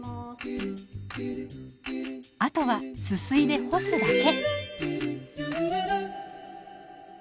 あとはすすいで干すだけ。